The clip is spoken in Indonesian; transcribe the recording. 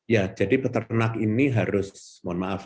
ya jadi peternak ini harus mohon maaf